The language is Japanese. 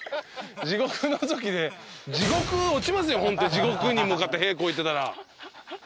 地獄に向かって屁こいてたら。